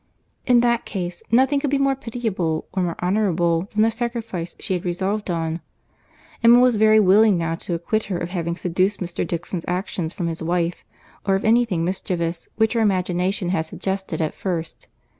In that case, nothing could be more pitiable or more honourable than the sacrifices she had resolved on. Emma was very willing now to acquit her of having seduced Mr. Dixon's affections from his wife, or of any thing mischievous which her imagination had suggested at first.